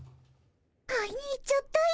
買いに行っちゃったよ。